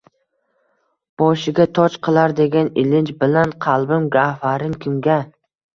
Boshiga toj qilar degan ilinj bilan qalbim gavharin kimga